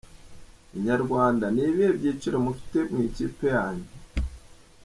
Inyarwanda: Ni ibihe byiciro mufite mu ikipe yanyu?.